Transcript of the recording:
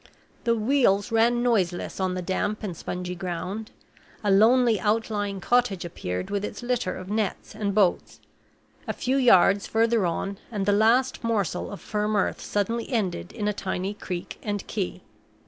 The wheels ran noiseless on the damp and spongy ground. A lonely outlying cottage appeared with its litter of nets and boats. A few yards further on, and the last morsel of firm earth suddenly ended in a tiny creek and quay.